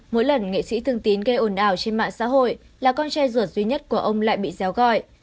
mỗi lần nghệ sĩ thương tín gây ồn ào trên mạng xã hội là con trai ruột duy nhất của ông lại bị giáo gọi